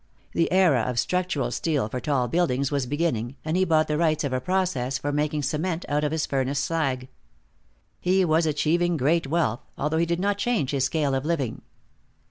The era of structural steel for tall buildings was beginning, and he bought the rights of a process for making cement out of his furnace slag. He was achieving great wealth, although he did not change his scale of living.